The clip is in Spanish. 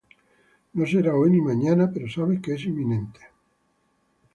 no será hoy ni mañana pero sabes que es inminente